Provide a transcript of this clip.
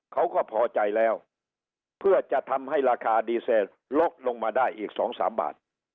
เขาก็พอใจแล้วเพื่อจะทำให้ราคาดีเซลลดลงมาได้อีก๒๓บาท